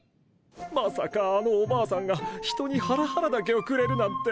まさかあのおばあさんが人にハラハラ茸をくれるなんて。